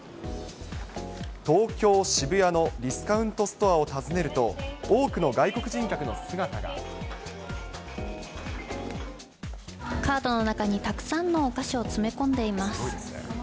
東京・渋谷のディスカウントストアを訪ねると、カートの中にたくさんのお菓子を詰め込んでいます。